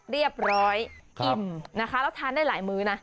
เรียบร้อยอิ่มนะคะแล้วทานได้หลายมื้อนะ